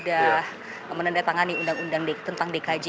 sudah menandatangani undang undang tentang dkj